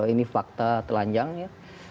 ini fakta telanjang ya